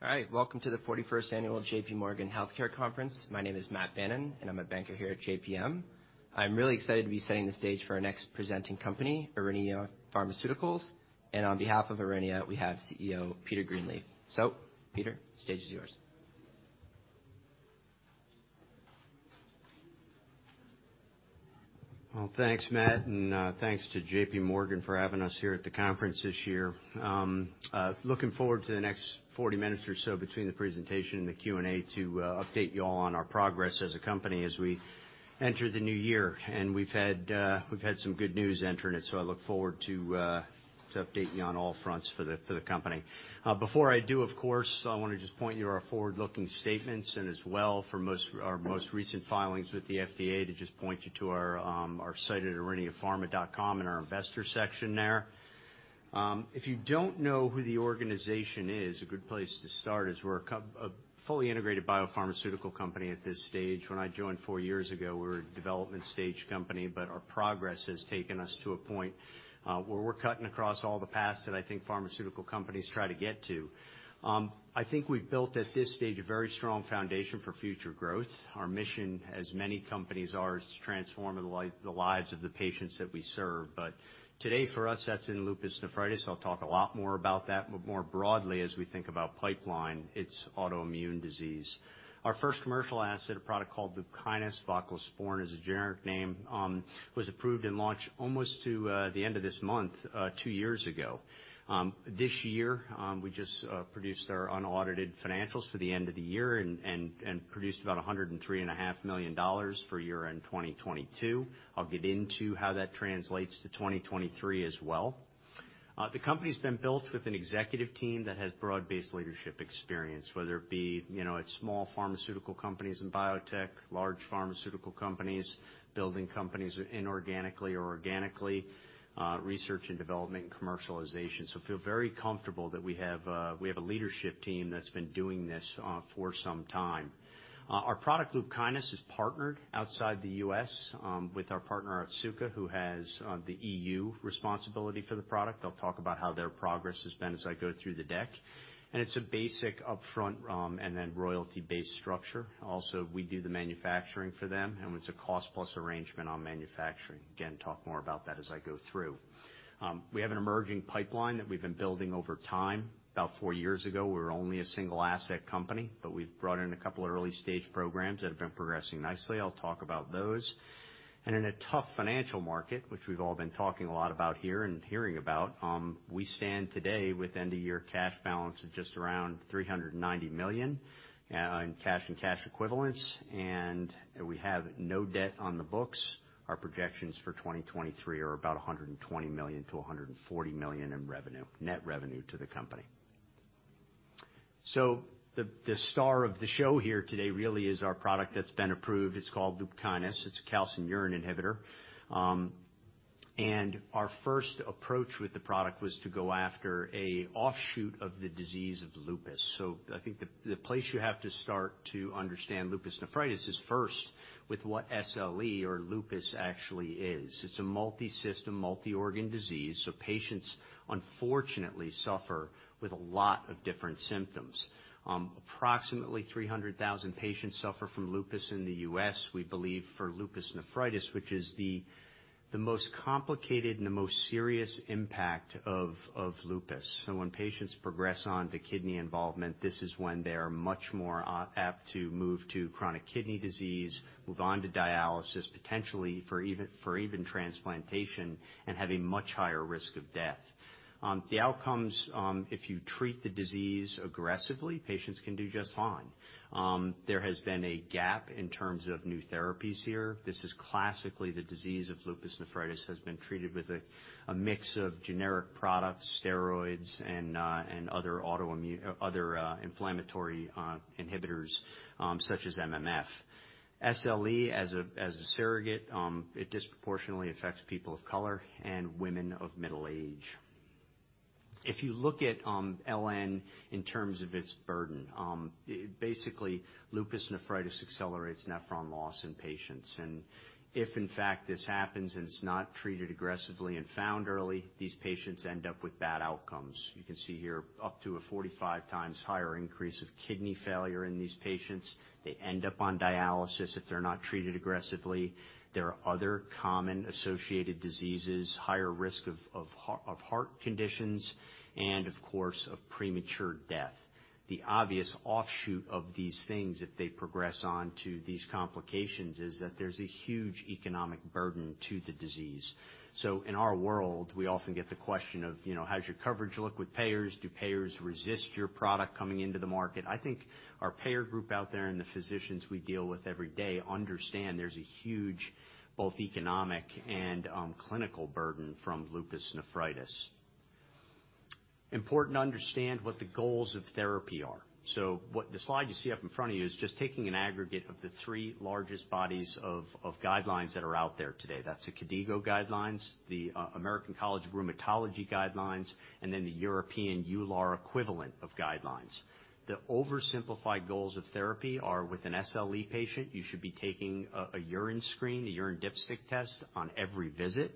All right. Welcome to the 41st annual JPMorgan Healthcare Conference. My name is Matt Bannon. I'm a banker here at JPM. I'm really excited to be setting the stage for our next presenting company, Aurinia Pharmaceuticals. On behalf of Aurinia, we have CEO Peter Greenleaf. Peter, the stage is yours. Well, thanks, Matt. Thanks to JPMorgan for having us here at the conference this year. Looking forward to the next 40 minutes or so between the presentation and the Q&A to update you all on our progress as a company as we enter the new year. We've had some good news entering it, so I look forward to updating you on all fronts for the company. Before I do, of course, I wanna just point you to our forward-looking statements, and as well for our most recent filings with the FDA to just point you to our site at auriniapharma.com in our investor section there. If you don't know who the organization is, a good place to start is we're a fully integrated biopharmaceutical company at this stage. When I joined four years ago, we were a development-stage company, our progress has taken us to a point where we're cutting across all the paths that I think pharmaceutical companies try to get to. I think we've built at this stage a very strong foundation for future growth. Our mission, as many companies are, is to transform the lives of the patients that we serve. Today, for us, that's in lupus nephritis. I'll talk a lot more about that. More broadly, as we think about pipeline, it's autoimmune disease. Our first commercial asset, a product called LUPKYNIS, voclosporin is the generic name, was approved and launched almost to the end of this month, two years ago. This year, we just produced our unaudited financials for the end of the year and produced about $103.5 million for year-end 2022. I'll get into how that translates to 2023 as well. The company's been built with an executive team that has broad-based leadership experience, whether it be at small pharmaceutical companies and biotech, large pharmaceutical companies, building companies inorganically or organically, research and development, and commercialization. Feel very comfortable that we have a leadership team that's been doing this for some time. Our product, LUPKYNIS, is partnered outside the U.S. with our partner at Otsuka, who has the EU responsibility for the product. I'll talk about how their progress has been as I go through the deck. It's a basic upfront, and then royalty-based structure. We do the manufacturing for them, and it's a cost-plus arrangement on manufacturing. Talk more about that as I go through. We have an emerging pipeline that we've been building over time. About four years ago, we were only a single asset company, but we've brought in a couple of early-stage programs that have been progressing nicely. I'll talk about those. In a tough financial market, which we've all been talking a lot about here and hearing about, we stand today with end-of-year cash balance of just around $390 million in cash and cash equivalents, and we have no debt on the books. Our projections for 2023 are about $120 million-$140 million in revenue, net revenue to the company. The star of the show here today really is our product that's been approved. It's called LUPKYNIS. It's a calcineurin inhibitor. Our first approach with the product was to go after a offshoot of the disease of lupus. I think the place you have to start to understand lupus nephritis is first with what SLE or lupus actually is. It's a multisystem, multi-organ disease, so patients unfortunately suffer with a lot of different symptoms. Approximately 300,000 patients suffer from lupus in the U.S., we believe, for lupus nephritis, which is the most complicated and the most serious impact of lupus. When patients progress on to kidney involvement, this is when they are much more apt to move to chronic kidney disease, move on to dialysis, potentially for even transplantation, and have a much higher risk of death. The outcomes, if you treat the disease aggressively, patients can do just fine. There has been a gap in terms of new therapies here. This is classically the disease of lupus nephritis has been treated with a mix of generic products, steroids and other autoimmune, other inflammatory inhibitors, such as MMF. SLE, as a surrogate, it disproportionately affects people of color and women of middle age. If you look at LN in terms of its burden, it. Basically, lupus nephritis accelerates nephron loss in patients. If, in fact, this happens and it's not treated aggressively and found early, these patients end up with bad outcomes. You can see here up to a 45 times higher increase of kidney failure in these patients. They end up on dialysis if they're not treated aggressively. There are other common associated diseases, higher risk of heart conditions, and, of course, of premature death. The obvious offshoot of these things, if they progress on to these complications, is that there's a huge economic burden to the disease. In our world, we often get the question of, you know, "How does your coverage look with payers? Do payers resist your product coming into the market?" I think our payer group out there and the physicians we deal with every day understand there's a huge both economic and clinical burden from lupus nephritis. Important to understand what the goals of therapy are. What the slide you see up in front of you is just taking an aggregate of the three largest bodies of guidelines that are out there today. That's the KDIGO guidelines, the American College of Rheumatology guidelines, and then the European EULAR equivalent of guidelines. The oversimplified goals of therapy are with an SLE patient, you should be taking a urine screen, a urine dipstick test on every visit.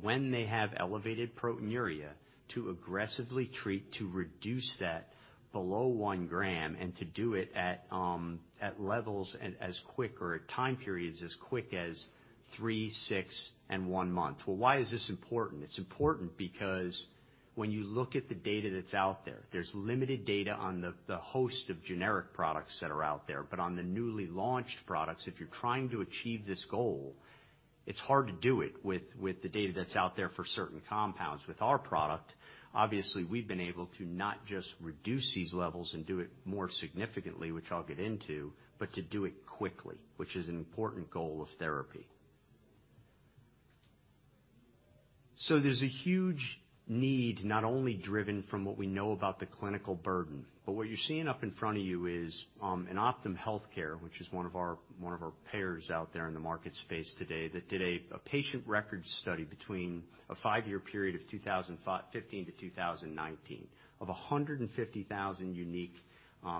When they have elevated proteinuria, to aggressively treat to reduce that below 1 g and to do it at at levels and as quick or at time periods as quick as three, six, and one month. Why is this important? It's important because when you look at the data that's out there's limited data on the host of generic products that are out there. On the newly launched products, if you're trying to achieve this goal, it's hard to do it with the data that's out there for certain compounds. With our product, obviously, we've been able to not just reduce these levels and do it more significantly, which I'll get into, but to do it quickly, which is an important goal of therapy. There's a huge need, not only driven from what we know about the clinical burden, but what you're seeing up in front of you is in Optum Healthcare, which is one of our, one of our payers out there in the market space today that did a patient record study between a five-year period of 2015 to 2019 of 150,000 unique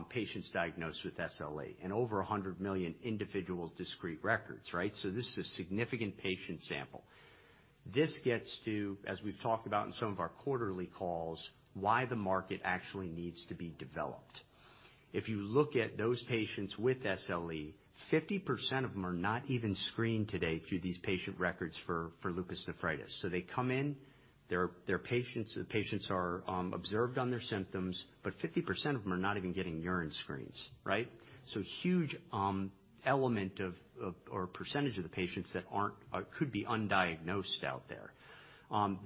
patients diagnosed with SLE and over 100 million individual discrete records, right? This is a significant patient sample. This gets to, as we've talked about in some of our quarterly calls, why the market actually needs to be developed. If you look at those patients with SLE, 50% of them are not even screened today through these patient records for lupus nephritis. They come in, their patients... The patients are observed on their symptoms. 50% of them are not even getting urine screens, right? Huge element or percentage of the patients that aren't could be undiagnosed out there.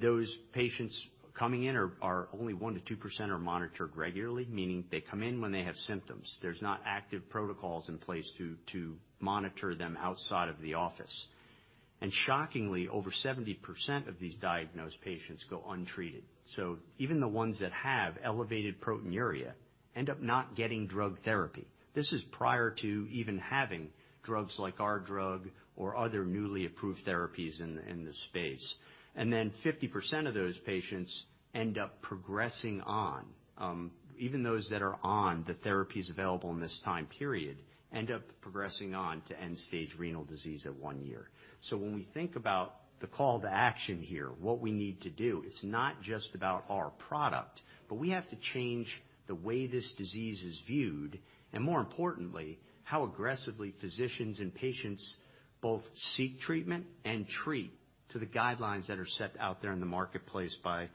Those patients coming in are only 1%-2% are monitored regularly, meaning they come in when they have symptoms. There's not active protocols in place to monitor them outside of the office. Shockingly, over 70% of these diagnosed patients go untreated. Even the ones that have elevated proteinuria end up not getting drug therapy. This is prior to even having drugs like our drug or other newly approved therapies in this space. 50% of those patients end up progressing on, even those that are on the therapies available in this time period end up progressing on to end-stage renal disease at one year. When we think about the call to action here, what we need to do, it's not just about our product, but we have to change the way this disease is viewed, and more importantly, how aggressively physicians and patients both seek treatment and treat to the guidelines that are set out there in the marketplace by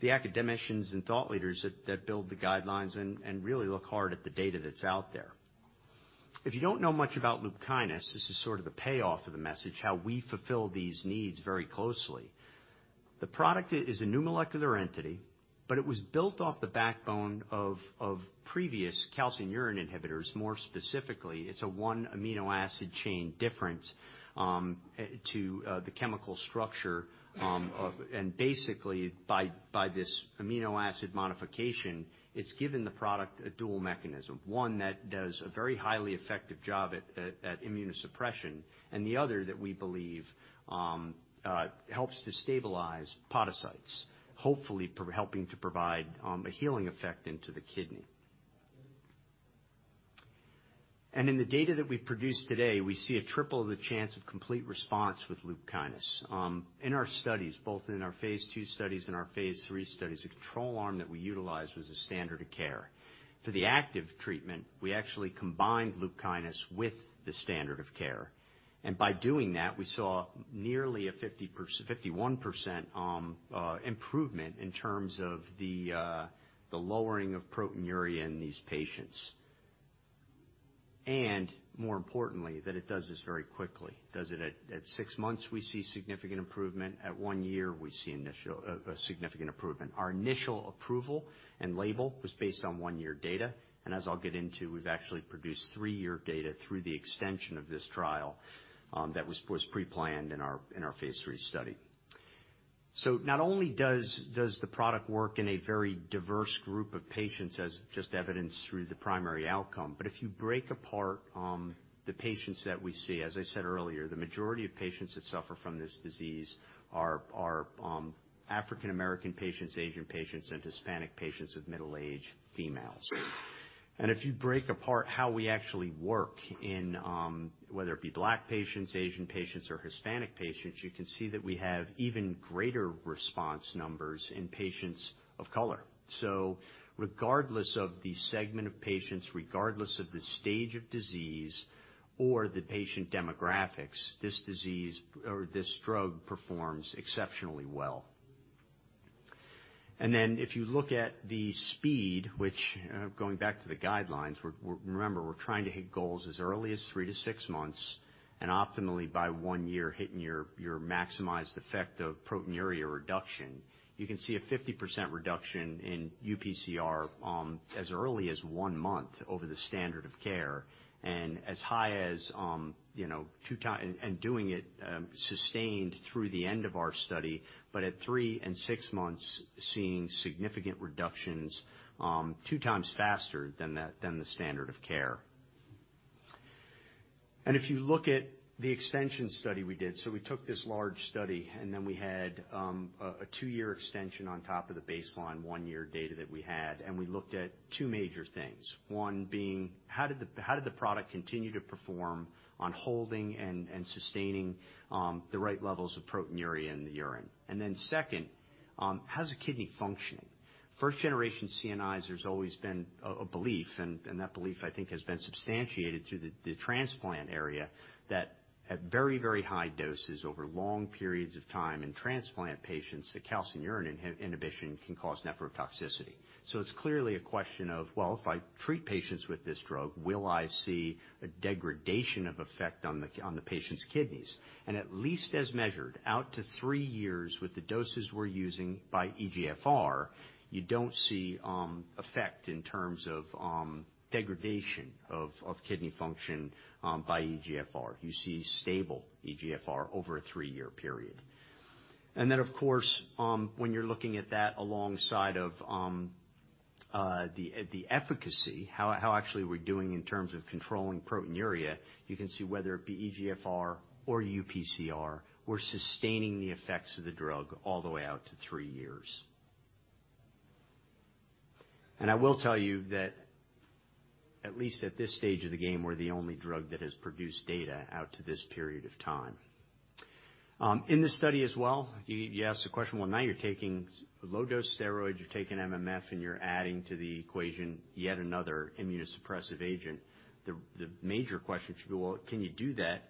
the academicians and thought leaders that build the guidelines and really look hard at the data that's out there. If you don't know much about LUPKYNIS, this is sort of the payoff of the message, how we fulfill these needs very closely. The product is a new molecular entity, it was built off the backbone of previous calcineurin inhibitors. More specifically, it's a one-amino acid chain difference to the chemical structure. Basically, by this amino acid modification, it's given the product a dual mechanism, one that does a very highly effective job at immunosuppression, and the other that we believe helps to stabilize podocytes, hopefully helping to provide a healing effect into the kidney. In the data that we've produced today, we see a triple the chance of complete response with LUPKYNIS. In our studies, both in our phase two studies and our phase three studies, the control arm that we utilized was a standard of care. For the active treatment, we actually combined LUPKYNIS with the standard of care. By doing that, we saw nearly a 51% improvement in terms of the lowering of proteinuria in these patients. More importantly, that it does this very quickly. Does it at six months, we see significant improvement. At one year, we see a significant improvement. Our initial approval and label was based on one-year data. As I'll get into, we've actually produced three-year data through the extension of this trial that was preplanned in our phase three study. Not only does the product work in a very diverse group of patients as just evidenced through the primary outcome, if you break apart the patients that we see, as I said earlier, the majority of patients that suffer from this disease are African American patients, Asian patients, and Hispanic patients of middle age, females. If you break apart how we actually work in whether it be Black patients, Asian patients, or Hispanic patients, you can see that we have even greater response numbers in patients of color. Regardless of the segment of patients, regardless of the stage of disease or the patient demographics, this disease or this drug performs exceptionally well. If you look at the speed, which, going back to the guidelines, remember, we're trying to hit goals as early as three to six months, and optimally by one year, hitting your maximized effect of proteinuria reduction. You can see a 50% reduction in UPCR, as early as one month over the standard of care, and as high as, you know, two and doing it, sustained through the end of our study. At three and six months, seeing significant reductions, 2 times faster than that, than the standard of care. If you look at the extension study we did, we took this large study, and then we had, a two-year extension on top of the baseline one-year data that we had, and we looked at two major things. One being, how did the product continue to perform on holding and sustaining the right levels of proteinuria in the urine? Then second, how's the kidney functioning? First generation CNIs, there's always been a belief, and that belief I think, has been substantiated through the transplant area, that at very, very high doses over long periods of time in transplant patients, the calcineurin inhibition can cause nephrotoxicity. It's clearly a question of, well, if I treat patients with this drug, will I see a degradation of effect on the patient's kidneys? At least as measured out to three years with the doses we're using by eGFR, you don't see effect in terms of degradation of kidney function by eGFR. You see stable eGFR over a three-year period. Of course, when you're looking at that alongside of the efficacy, how actually we're doing in terms of controlling proteinuria, you can see whether it be eGFR or UPCR, we're sustaining the effects of the drug all the way out to three years. I will tell you that at least at this stage of the game, we're the only drug that has produced data out to this period of time. In this study as well, you asked the question, well, now you're taking low-dose steroids, you're taking MMF, and you're adding to the equation yet another immunosuppressive agent. The major question should be, well, can you do that,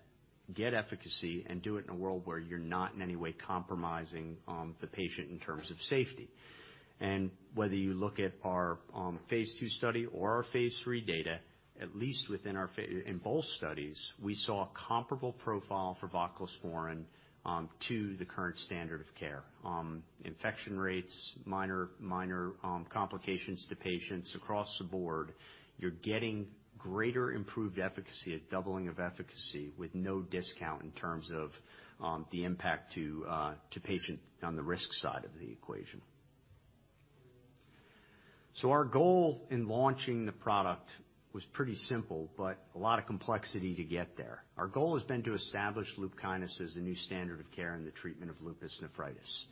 get efficacy, and do it in a world where you're not in any way compromising the patient in terms of safety? Whether you look at our phase II study or our phase III data, at least within our in both studies, we saw a comparable profile for voclosporin to the current standard of care. Infection rates, minor complications to patients across the board. You're getting greater improved efficacy, a doubling of efficacy, with no discount in terms of the impact to patient on the risk side of the equation. Our goal in launching the product was pretty simple, but a lot of complexity to get there. Our goal has been to establish LUPKYNIS as the new standard of care in the treatment of lupus nephritis.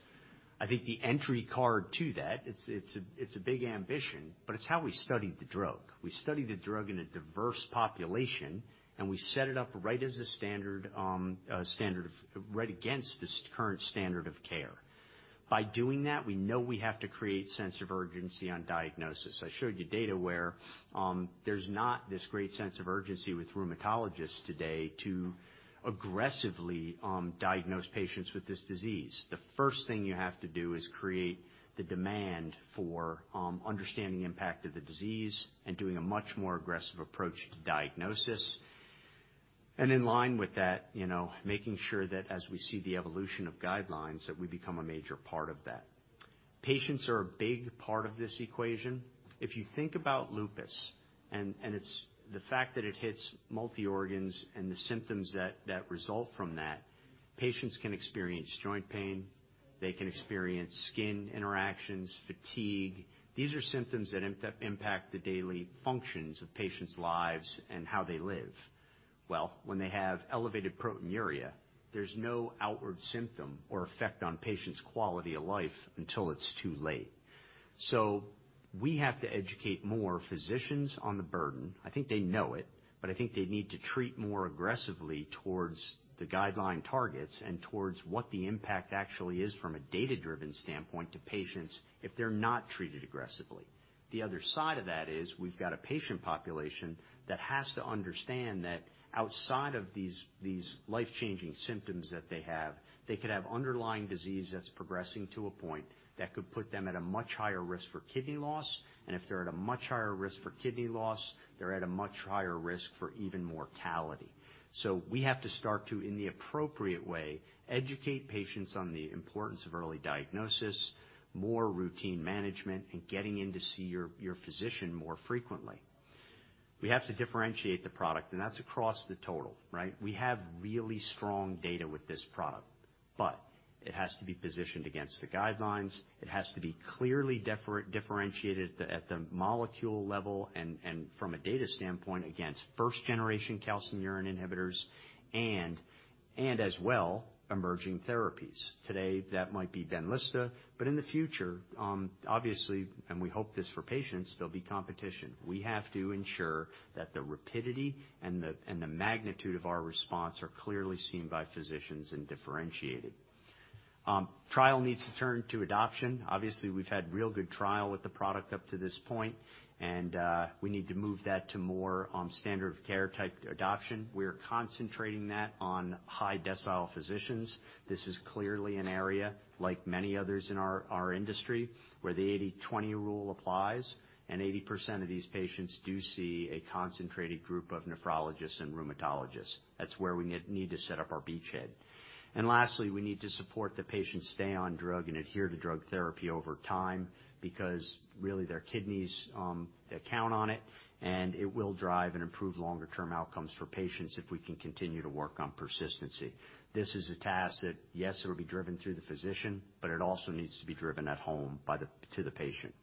I think the entry card to that, it's a, it's a big ambition, but it's how we studied the drug. We studied the drug in a diverse population, and we set it up right as a current standard of care. By doing that, we know we have to create sense of urgency on diagnosis. I showed you data where there's not this great sense of urgency with rheumatologists today to aggressively diagnose patients with this disease. The first thing you have to do is create the demand for understanding impact of the disease and doing a much more aggressive approach to diagnosis. In line with that, you know, making sure that as we see the evolution of guidelines, that we become a major part of that. Patients are a big part of this equation. If you think about lupus, and it's the fact that it hits multi-organs and the symptoms that result from that, patients can experience joint pain, they can experience skin interactions, fatigue. These are symptoms that impact the daily functions of patients' lives and how they live. Well, when they have elevated proteinuria, there's no outward symptom or effect on patient's quality of life until it's too late. We have to educate more physicians on the burden. I think they know it, but I think they need to treat more aggressively towards the guideline targets and towards what the impact actually is from a data-driven standpoint to patients if they're not treated aggressively. The other side of that is we've got a patient population that has to understand that outside of these life-changing symptoms that they have, they could have underlying disease that's progressing to a point that could put them at a much higher risk for kidney loss. If they're at a much higher risk for kidney loss, they're at a much higher risk for even mortality. We have to start to, in the appropriate way, educate patients on the importance of early diagnosis, more routine management, and getting in to see your physician more frequently. We have to differentiate the product, and that's across the total, right? We have really strong data with this product, but it has to be positioned against the guidelines. It has to be clearly differentiated at the molecule level and from a data standpoint against first generation calcineurin inhibitors and as well, emerging therapies. Today, that might be BENLYSTA, in the future, obviously, and we hope this for patients, there'll be competition. We have to ensure that the rapidity and the magnitude of our response are clearly seen by physicians and differentiated. Trial needs to turn to adoption. Obviously, we've had real good trial with the product up to this point, we need to move that to more standard of care type adoption. We're concentrating that on high decile physicians. This is clearly an area, like many others in our industry, where the 80/20 rule applies, 80% of these patients do see a concentrated group of nephrologists and rheumatologists. That's where we need to set up our beachhead. lastly, we need to support the patient stay on drug and adhere to drug therapy over time because really their kidneys, they count on it, and it will drive and improve longer-term outcomes for patients if we can continue to work on persistency. This is a task that, yes, it'll be driven through the physician, but it also needs to be driven at home To the patient.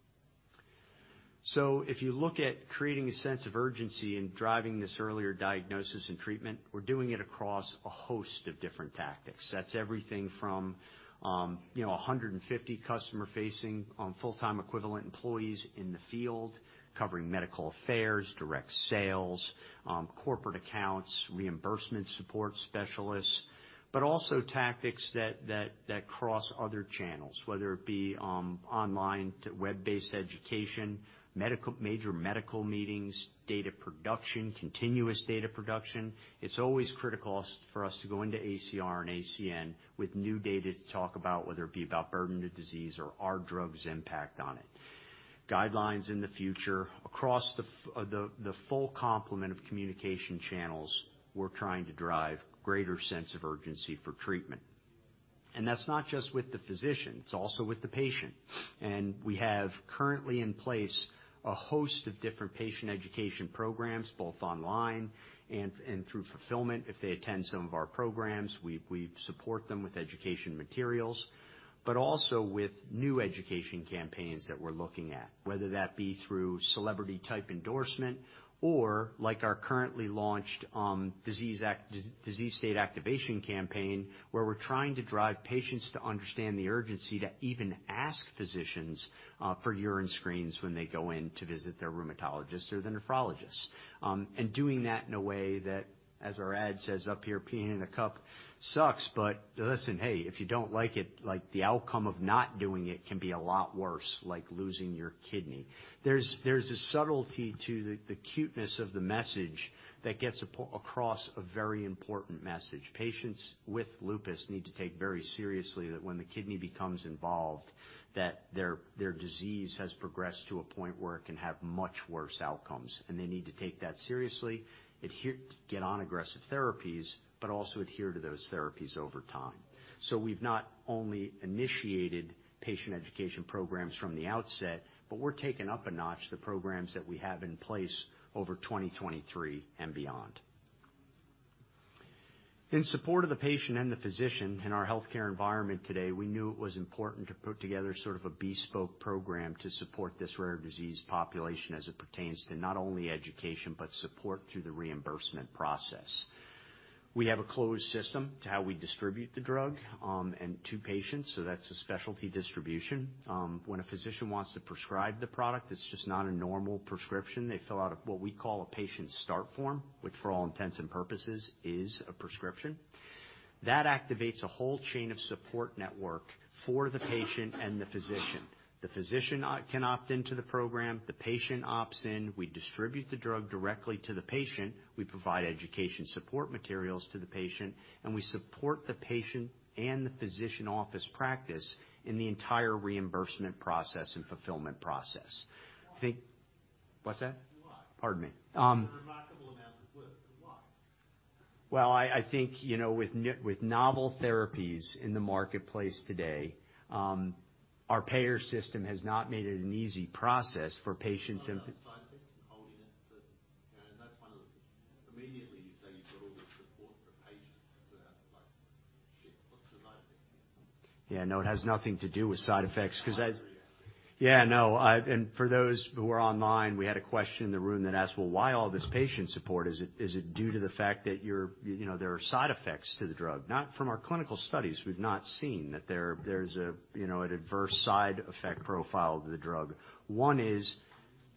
if you look at creating a sense of urgency in driving this earlier diagnosis and treatment, we're doing it across a host of different tactics. That's everything from, you know, 150 customer-facing on full-time equivalent employees in the field covering medical affairs, direct sales, corporate accounts, reimbursement support specialists, but also tactics that cross other channels, whether it be online to web-based education, major medical meetings, data production, continuous data production. It's always critical for us to go into ACR and ASN with new data to talk about, whether it be about burden of disease or our drug's impact on it. Guidelines in the future across the full complement of communication channels, we're trying to drive greater sense of urgency for treatment. That's not just with the physician, it's also with the patient. We have currently in place a host of different patient education programs, both online and through fulfillment. If they attend some of our programs, we support them with education materials, but also with new education campaigns that we're looking at, whether that be through celebrity-type endorsement or like our currently launched disease state activation campaign, where we're trying to drive patients to understand the urgency to even ask physicians for urine screens when they go in to visit their rheumatologist or the nephrologist. Doing that in a way that, as our ad says up here, "Peeing in a cup sucks," but listen, hey, if you don't like it, like, the outcome of not doing it can be a lot worse, like losing your kidney. There's a subtlety to the cuteness of the message that gets across a very important message. Patients with lupus need to take very seriously that when the kidney becomes involved, that their disease has progressed to a point where it can have much worse outcomes, and they need to take that seriously, get on aggressive therapies, also adhere to those therapies over time. We've not only initiated patient education programs from the outset, but we're taking up a notch the programs that we have in place over 2023 and beyond. In support of the patient and the physician in our healthcare environment today, we knew it was important to put together sort of a bespoke program to support this rare disease population as it pertains to not only education, but support through the reimbursement process. We have a closed system to how we distribute the drug, and to patients, that's a specialty distribution. When a physician wants to prescribe the product, it's just not a normal prescription. They fill out what we call a Patient Start Form, which for all intents and purposes is a prescription. That activates a whole chain of support network for the patient and the physician. The physician can opt into the program, the patient opts in, we distribute the drug directly to the patient, we provide education support materials to the patient, and we support the patient and the physician office practice in the entire reimbursement process and fulfillment process. Why? What's that? Why? Pardon me. There are remarkable amounts of. Why? Well, I think, you know, with novel therapies in the marketplace today, our payer system has not made it an easy process for patients. Side effects and holding it, but, you know, that's one of the. Immediately, you say you've got all this support for patients. Yeah, no, it has nothing to do with side effects 'cause Yeah, no. For those who are online, we had a question in the room that asked, "Well, why all this patient support? Is it due to the fact that you're, you know, there are side effects to the drug?" Not from our clinical studies. We've not seen that there's a, you know, an adverse side effect profile to the drug. One is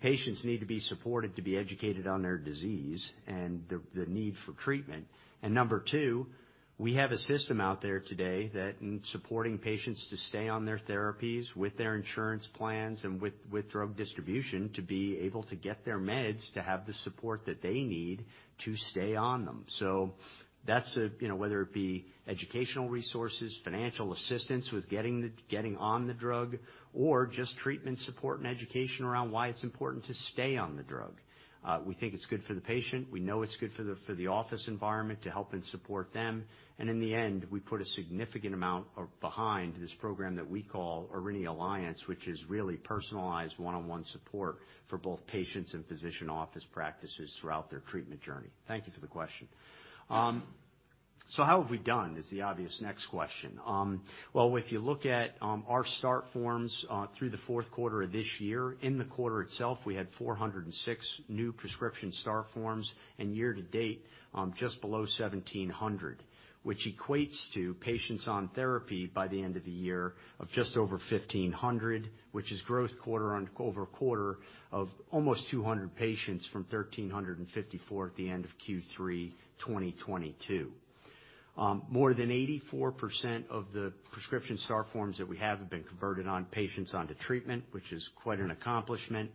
patients need to be supported to be educated on their disease and the need for treatment. Number two, we have a system out there today that in supporting patients to stay on their therapies with their insurance plans and with drug distribution, to be able to get their meds, to have the support that they need to stay on them. That's a, you know, whether it be educational resources, financial assistance with getting on the drug, or just treatment support and education around why it's important to stay on the drug. We think it's good for the patient. We know it's good for the office environment to help and support them. In the end, we put a significant amount of behind this program that we call Aurinia Alliance, which is really personalized one-on-one support for both patients and physician office practices throughout their treatment journey. Thank you for the question. How haVe we done? Is the obvious next question. Well, if you look at our Start Forms through the fourth quarter of this year, in the quarter itself, we had 406 new prescription Start Forms, year to date, just below 1,700, which equates to patients on therapy by the end of the year of just over 1,500, which is growth quarter-on-quarter of almost 200 patients from 1,354 at the end of Q3 2022. More than 84% of the prescription Start Forms that we have have been converted on patients onto treatment, which is quite an accomplishment.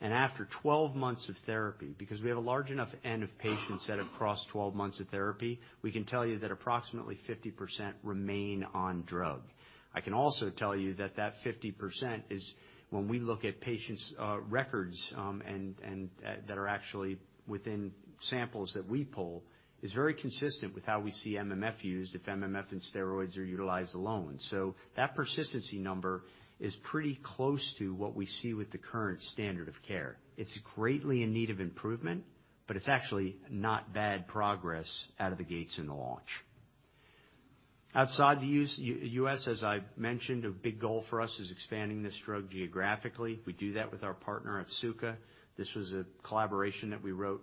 After 12 months of therapy, because we have a large enough N of patients that have crossed 12 months of therapy, we can tell you that approximately 50% remain on drug. I can also tell you that that 50% is when we look at patients' records that are actually within samples that we pull, is very consistent with how we see MMF used if MMF and steroids are utilized alone. That persistency number is pretty close to what we see with the current standard of care. It's greatly in need of improvement, it's actually not bad progress out of the gates in the launch. Outside the U.S., as I mentioned, a big goal for us is expanding this drug geographically. We do that with our partner at Otsuka. This was a collaboration that we wrote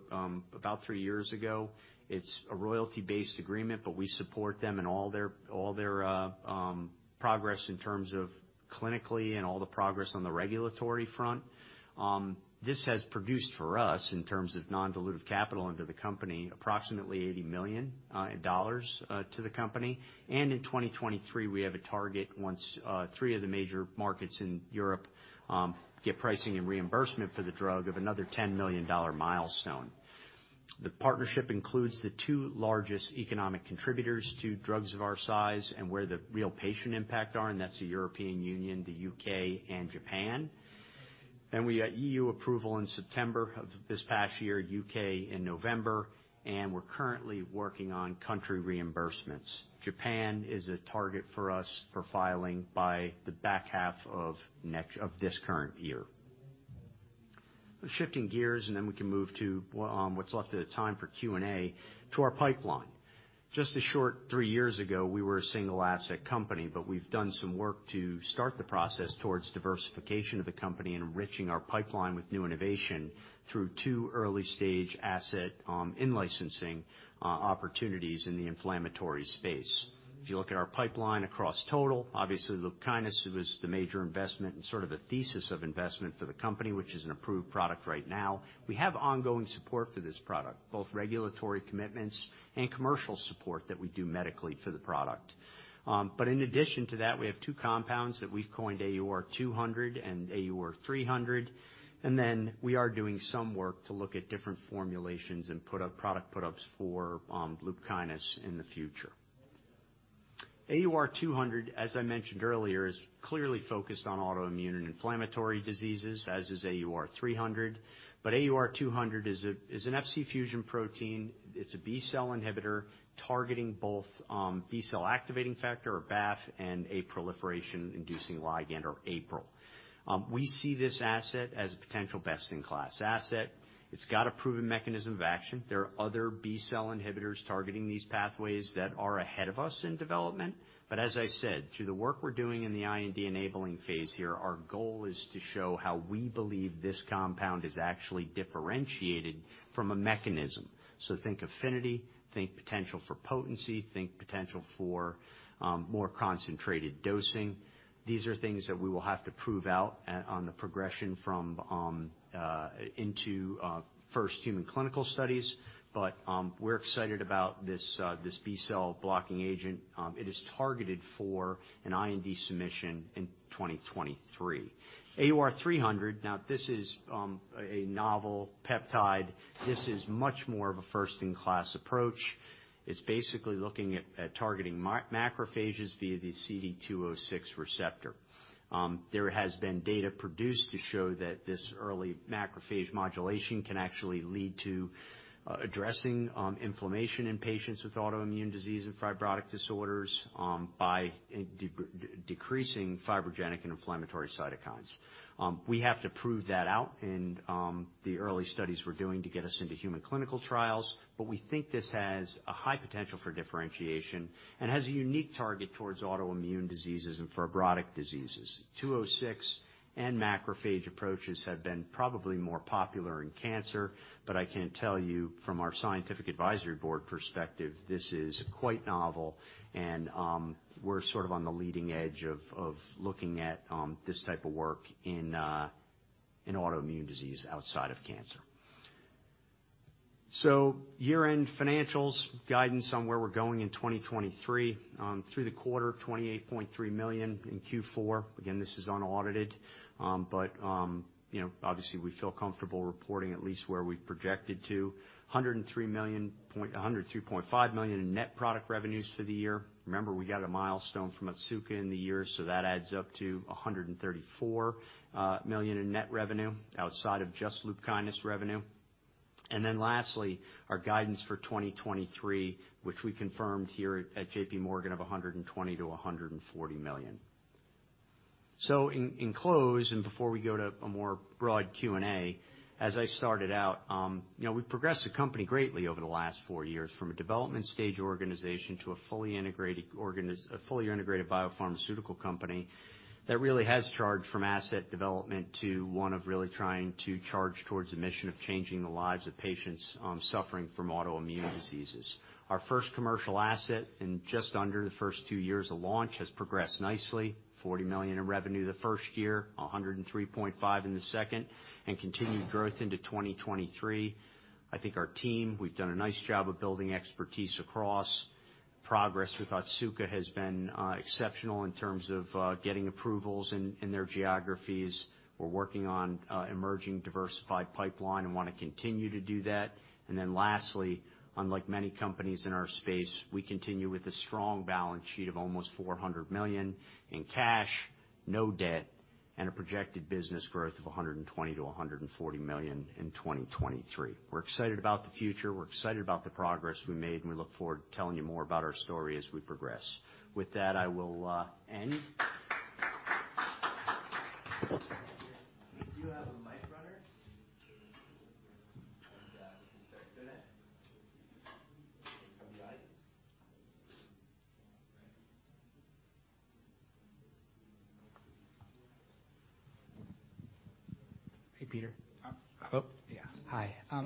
about three years ago. It's a royalty-based agreement, we support them in all their progress in terms of clinically and all the progress on the regulatory front. This has produced for us, in terms of non-dilutive capital into the company, approximately $80 million to the company. In 2023, we have a target once three of the major markets in Europe get pricing and reimbursement for the drug of another $10 million milestone. The partnership includes the two largest economic contributors to drugs of our size and where the real patient impact are, and that's the European Union, the U.K., and Japan. We got EU approval in September of this past year, U.K. in November, and we're currently working on country reimbursements. Japan is a target for us for filing by the back half of this current year. Shifting gears, then we can move to what's left of the time for Q&A, to our pipeline. Just a short three years ago, we were a single asset company, but we've done some work to start the process towards diversification of the company and enriching our pipeline with new innovation through two early-stage asset in licensing opportunities in the inflammatory space. If you look at our pipeline across total, obviously, LUPKYNIS was the major investment and sort of a thesis of investment for the company, which is an approved product right now. We have ongoing support for this product, both regulatory commitments and commercial support that we do medically for the product. In addition to that, we have two compounds that we've coined AUR200 and AUR300, and then we are doing some work to look at different formulations and put up product put-ups for LUPKYNIS in the future. AUR200, as I mentioned earlier, is clearly focused on autoimmune and inflammatory diseases, as is AUR300. AUR200 is an Fc fusion protein. It's a B-cell inhibitor targeting both B-cell activating factor, or BAFF, and a proliferation-inducing ligand, or APRIL. We see this asset as a potential best-in-class asset. It's got a proven mechanism of action. There are other B-cell inhibitors targeting these pathways that are ahead of us in development. As I said, through the work we're doing in the IND-enabling phase here, our goal is to show how we believe this compound is actually differentiated from a mechanism. Think affinity, think potential for potency, think potential for more concentrated dosing. These are things that we will have to prove out on the progression from into first human clinical studies. We're excited about this B-cell blocking agent. It is targeted for an IND submission in 2023. AUR300, now this is a novel peptide. This is much more of a first-in-class approach. It's basically looking at targeting macrophages via the CD206 receptor. There has been data produced to show that this early macrophage modulation can actually lead to addressing inflammation in patients with autoimmune disease and fibrotic disorders by decreasing fibrogenic and inflammatory cytokines. We have to prove that out in the early studies we're doing to get us into human clinical trials. We think this has a high potential for differentiation and has a unique target towards autoimmune diseases and fibrotic diseases. CD206 and macrophage approaches have been probably more popular in cancer, but I can tell you from our scientific advisory board perspective, this is quite novel and, we're sort of on the leading edge of looking at this type of work in autoimmune disease outside of cancer. Year-end financials, guidance on where we're going in 2023. Through the quarter, $28.3 million in Q4. Again, this is unaudited, but, you know, obviously we feel comfortable reporting at least where we've projected to. $103.5 million in net product revenues for the year. Remember, we got a milestone from Otsuka in the year, so that adds up to $134 million in net revenue outside of just LUPKYNIS revenue. Lastly, our guidance for 2023, which we confirmed here at JPMorgan of $120 million-$140 million. In close, before we go to a more broad Q&A, as I started out, you know, we've progressed the company greatly over the last four years from a development stage organization to a fully integrated biopharmaceutical company that really has charged from asset development to one of really trying to charge towards a mission of changing the lives of patients suffering from autoimmune diseases. Our first commercial asset in just under the two years of launch has progressed nicely. $40 million in revenue the first year, $103.5 million in the second, and continued growth into 2023. I think our team, we've done a nice job of building expertise across. Progress with Otsuka has been exceptional in terms of getting approvals in their geographies. We're working on a emerging diversified pipeline and wanna continue to do that. Lastly, unlike many companies in our space, we continue with a strong balance sheet of almost $400 million in cash, no debt, and a projected business growth of $120 million-$140 million in 2023. We're excited about the future. We're excited about the progress we made, and we look forward to telling you more about our story as we progress. With that, I will end. Hey, Peter. Yeah. Hi.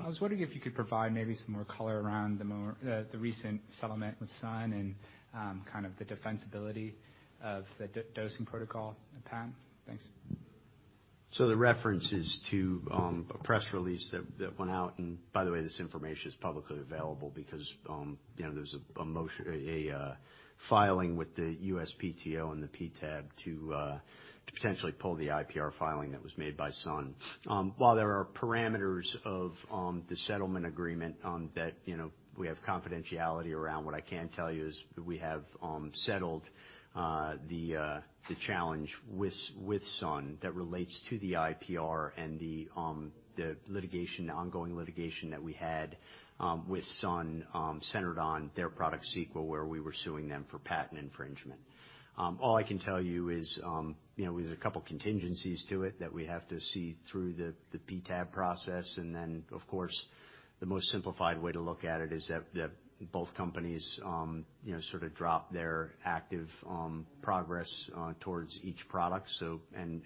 I was wondering if you could provide maybe some more color around the recent settlement with Sun and, kind of the defensibility of the dosing protocol and patent? Thanks. The reference is to a press release that went out, and by the way, this information is publicly available because, you know, there's a motion, a filing with the USPTO and the PTAB to potentially pull the IPR filing that was made by Sun. While there are parameters of the settlement agreement that, you know, we have confidentiality around, what I can tell you is we have settled the challenge with Sun that relates to the IPR and the litigation, the ongoing litigation that we had with Sun, centered on their product CEQUA, where we were suing them for patent infringement. All I can tell you is, you know, there's a couple contingencies to it that we have to see through the PTAB process and then, of course, the most simplified way to look at it is that both companies, you know, sort of drop their active progress towards each product. And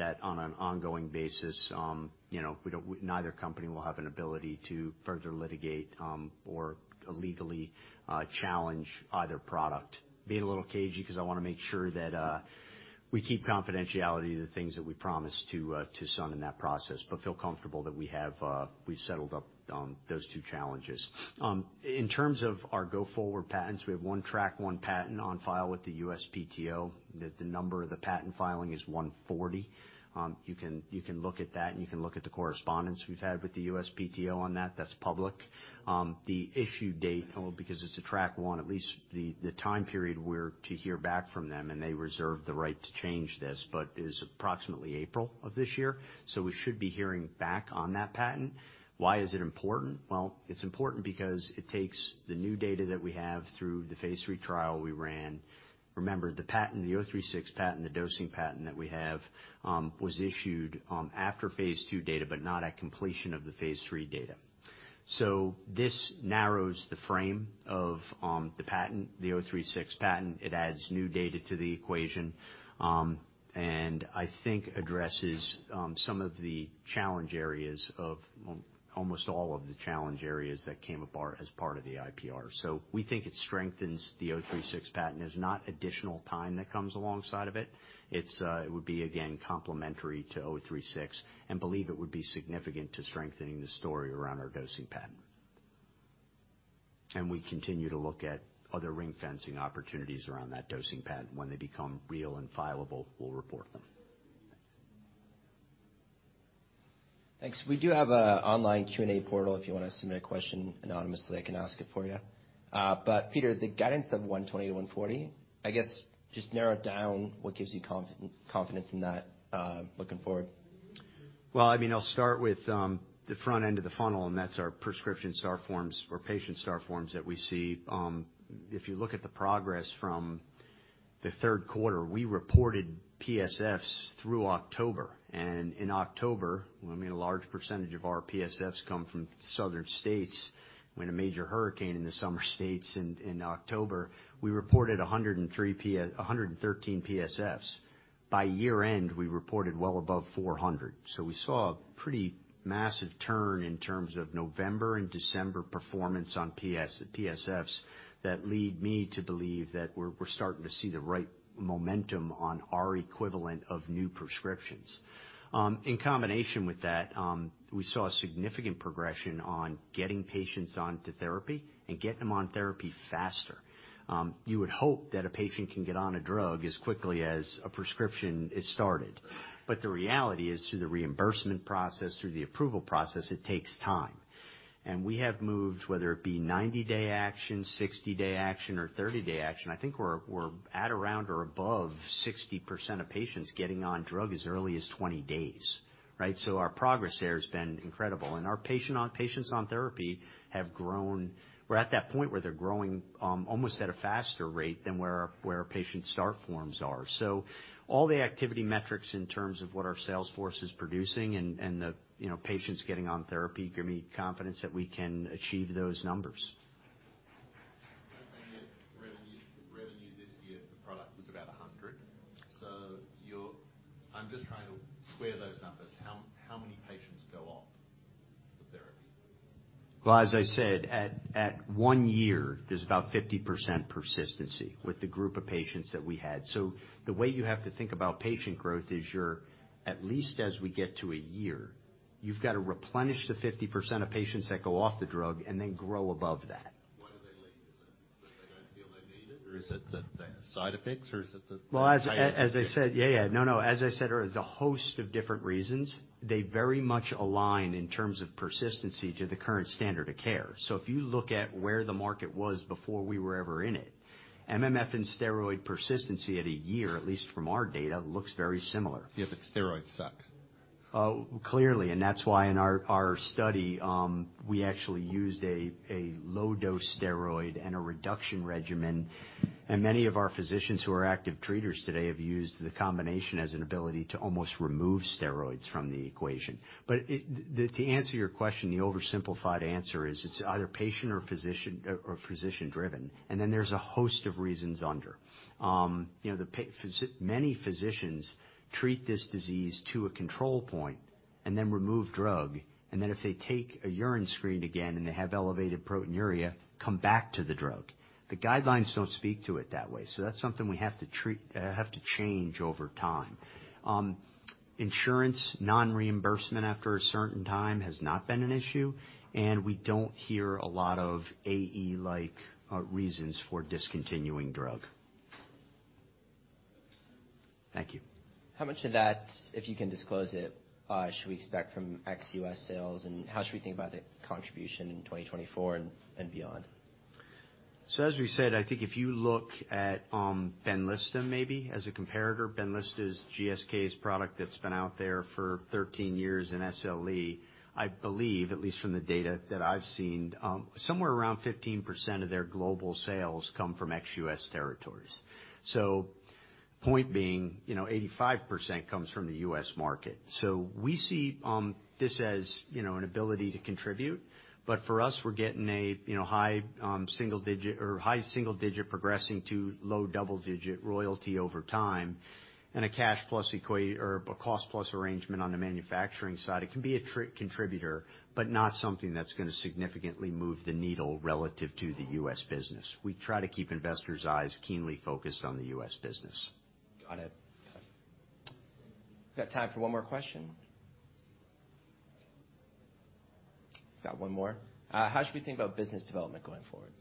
that on an ongoing basis, you know, neither company will have an ability to further litigate or illegally challenge either product. Being a little cagey 'cause I wanna make sure that we keep confidentiality to the things that we promised to Sun in that process, but feel comfortable that we have, we've settled up those two challenges. In terms of our go-forward patents, we have one Track One patent on file with the USPTO. The number of the patent filing is 140. You can look at that, and you can look at the correspondence we've had with the USPTO on that. That's public. The issue date, well, because it's a Track One, at least the time period we're to hear back from them, and they reserve the right to change this, but is approximately April of this year. We should be hearing back on that patent. Why is it important? Well, it's important because it takes the new data that we have through the phase III trial we ran. Remember, the patent, the '036 patent, the dosing patent that we have, was issued after phase II data, but not at completion of the phase III data. This narrows the frame of the patent, the '036 patent. It adds new data to the equation, and I think addresses almost all of the challenge areas that came as part of the IPR. We think it strengthens the '036 patent. There's not additional time that comes alongside of it. It would be, again, complementary to '036 and believe it would be significant to strengthening the story around our dosing patent. We continue to look at other ring-fencing opportunities around that dosing patent. When they become real and fileable, we'll report them. Thanks. We do have an online Q&A portal if you wanna submit a question anonymously. I can ask it for you. Peter, the guidance of 120-140, I guess, just narrow it down, what gives you confidence in that, looking forward? Well, I mean, I'll start with the front end of the funnel, and that's our prescription Start forms or patient Start forms that we see. If you look at the progress from the third quarter, we reported PSFs through October. In October, I mean, a large percentage of our PSFs come from southern states, we had a major hurricane in the southern states in October. We reported 113 PSFs. By year-end, we reported well above 400. We saw a pretty massive turn in terms of November and December performance on the PSFs that lead me to believe that we're starting to see the right momentum on our equivalent of new prescriptions. In combination with that, we saw significant progression on getting patients onto therapy and getting them on therapy faster. You would hope that a patient can get on a drug as quickly as a prescription is started. The reality is, through the reimbursement process, through the approval process, it takes time. We have moved, whether it be 90-day action, 60-day action, or 30-day action, I think we're at around or above 60% of patients getting on drug as early as 20 days, right? Our progress there has been incredible. Our patients on therapy have grown... We're at that point where they're growing almost at a faster rate than where our, where our Patient Start Forms are. All the activity metrics in terms of what our sales force is producing and the, you know, patients getting on therapy give me confidence that we can achieve those numbers. Revenue this year for the product was about $100. I'm just trying to square those numbers. How many patients go off the therapy? Well, as I said, at 1 year, there's about 50% persistency with the group of patients that we had. The way you have to think about patient growth is you're at least as we get to a year, you've got to replenish the 50% of patients that go off the drug and then grow above that. Why do they leave? Is it that they don't feel they need it, or is it the side effects, or is it the- Well, as I said, there's a host of different reasons. They very much align in terms of persistency to the current standard of care. If you look at where the market was before we were ever in it, MMF and steroid persistency at a year, at least from our data, looks very similar. Yeah, steroids suck. Oh, clearly, that's why in our study, we actually used a low-dose steroid and a reduction regimen. Many of our physicians who are active treaters today have used the combination as an ability to almost remove steroids from the equation. To answer your question, the oversimplified answer is it's either patient or physician, or physician-driven. Then there's a host of reasons under. You know, many physicians treat this disease to a control point and then remove drug, and then if they take a urine screen again and they have elevated proteinuria, come back to the drug. The guidelines don't speak to it that way, so that's something we have to treat, have to change over time. Insurance non-reimbursement after a certain time has not been an issue. We don't hear a lot of AE-like reasons for discontinuing drug. Thank you. How much of that, if you can disclose it, should we expect from ex-US sales and how should we think about the contribution in 2024 and beyond? As we said, I think if you look at Benlysta maybe as a comparator. Benlysta is GSK's product that's been out there for 13 years in SLE. I believe, at least from the data that I've seen, somewhere around 15% of their global sales come from ex-U.S. territories. Point being, you know, 85% comes from the U.S. market. We see this as, you know, an ability to contribute. For us, we're getting a, you know, high single-digit or high single digit progressing to low double-digit royalty over time and a cost plus arrangement on the manufacturing side. It can be a contributor, but not something that's gonna significantly move the needle relative to the U.S. business. We try to keep investors' eyes keenly focused on the U.S. business. Got it. Got time for one more question. Got one more. How should we think about business development going forward?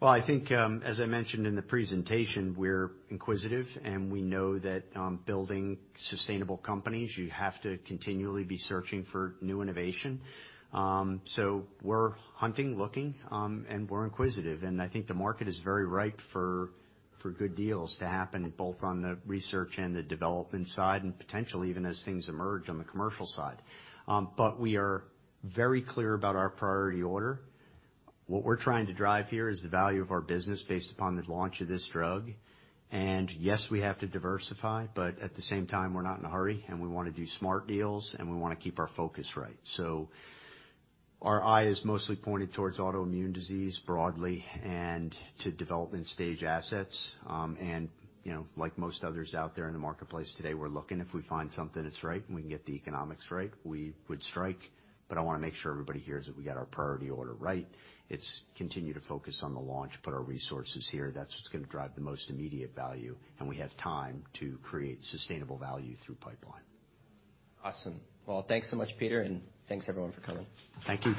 Well, I think, as I mentioned in the presentation, we're inquisitive, and we know that, building sustainable companies, you have to continually be searching for new innovation. We're hunting, looking, and we're inquisitive. I think the market is very ripe for good deals to happen, both on the research and the development side and potentially even as things emerge on the commercial side. We are very clear about our priority order. What we're trying to drive here is the value of our business based upon the launch of this drug. Yes, we have to diversify, but at the same time, we're not in a hurry, and we wanna do smart deals, and we wanna keep our focus right. Our eye is mostly pointed towards autoimmune disease broadly and to development stage assets. you know, like most others out there in the marketplace today, we're looking. If we find something that's right and we can get the economics right, we would strike. I wanna make sure everybody hears that we got our priority order right. It's continue to focus on the launch, put our resources here. That's what's gonna drive the most immediate value, and we have time to create sustainable value through pipeline. Awesome. Thanks so much, Peter, and thanks everyone for coming. Thank you.